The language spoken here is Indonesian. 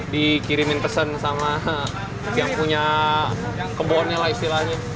dikirimin pesan sama yang punya kebonnya lah istilahnya